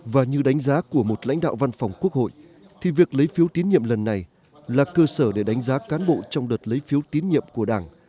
và như đánh giá của một lãnh đạo văn phòng quốc hội thì việc lấy phiếu tín nhiệm lần này là cơ sở để đánh giá cán bộ trong đợt lấy phiếu tín nhiệm của đảng